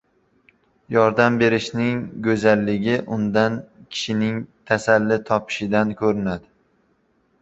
Yordam berishning go‘zalligi undan kishining tasalli topishida ko‘rinadi.